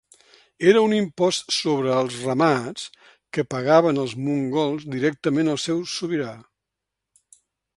Era un impost sobre els ramats que pagaven els mongols directament al seu sobirà.